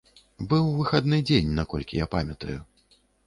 Быў выхадны дзень, наколькі я памятаю.